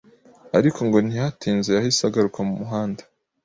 ariko ngo ntiyahatinze yahise agaruka mu muhanda.